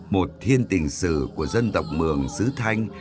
một thiên tình sử của dân tộc mường sứ thanh